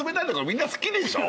みんな好きでしょ？